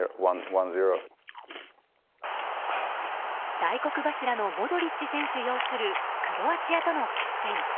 大黒柱のモドリッチ選手擁するクロアチアとの決戦。